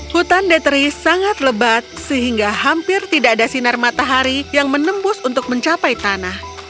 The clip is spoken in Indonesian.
hutan detri sangat lebat sehingga hampir tidak ada sinar matahari yang menembus untuk mencapai tanah